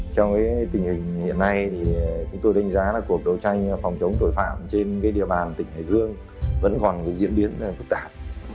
trong tình hình hiện nay chúng tôi đánh giá là cuộc đấu tranh phòng chống tội phạm trên địa bàn tỉnh hải dương vẫn còn diễn biến phức tạp